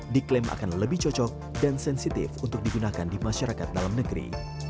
diklaim akan lebih cocok dan sensitif untuk digunakan di masyarakat dalam negeri